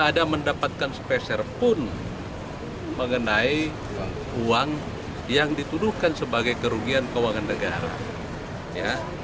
jika dia mendapatkan speser pun mengenai uang yang dituduhkan sebagai kerugian keuangan negara